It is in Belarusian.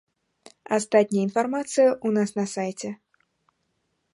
Астатняя інфармацыя ў нас на сайце.